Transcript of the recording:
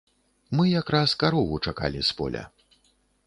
Мы якраз карову чакалі з поля.